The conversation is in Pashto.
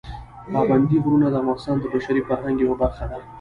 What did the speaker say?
پابندي غرونه د افغانستان د بشري فرهنګ یوه برخه ده.